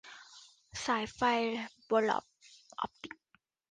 สายไฟเบอร์ออปติก